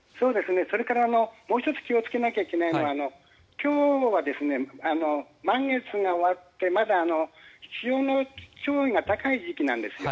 それから、もう１つ気をつけなきゃいけないのは今日は満月が終わって、まだ潮の潮位が高い時期なんです。